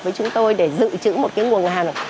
với chúng tôi để dự trữ một nguồn hàng